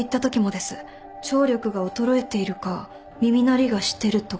聴力が衰えているか耳鳴りがしてるとか。